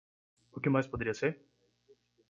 O que mais poderia ser?